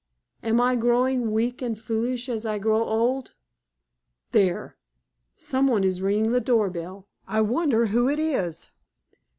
Am I growing weak and foolish as I grow old? There! Some one is ringing the door bell. I wonder who it is?"